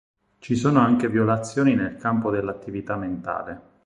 Ci sono anche violazioni nel campo dell'attività mentale.